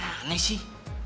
gak ada yang nanya sih